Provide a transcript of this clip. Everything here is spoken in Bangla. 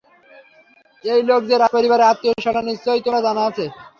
এই লোক যে রাজপরিবারের আত্মীয়, সেটা নিশ্চয়ই তোমার জানা আছে।